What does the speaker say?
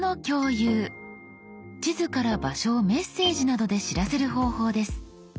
地図から場所をメッセージなどで知らせる方法です。